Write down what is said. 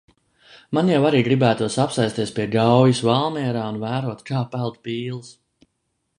Man jau arī gribētos apsēsties pie Gaujas Valmierā un vērot kā peld pīles.